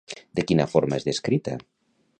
De quina forma és descrita?